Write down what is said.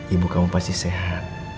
ibu kamu pasti sehat